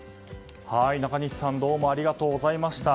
中西さんどうもありがとうございました。